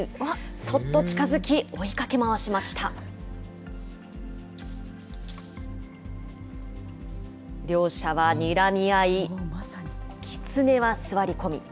そっと近づき、追いかけ回しました。両者はにらみ合い、キツネは座り込み。